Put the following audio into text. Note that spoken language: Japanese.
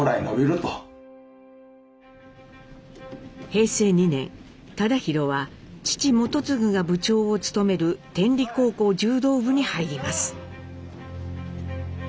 平成２年忠宏は父基次が部長を務める天理高校柔道部に入ります。